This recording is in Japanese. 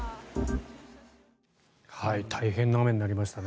大変な雨になりましたね。